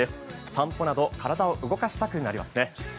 散歩など体を動かしたくなりますね。